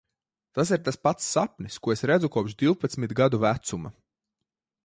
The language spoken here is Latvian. Tas ir tas pats sapnis, ko es redzu kopš divpadsmit gadu vecuma.